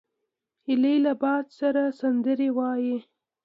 هیلۍ له باد سره سندرې وايي